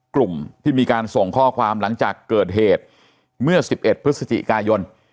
กลุ่มที่มีการส่งข้อความหลังจากเกิดเหตุเมื่อ๑๑พฤศจิกายน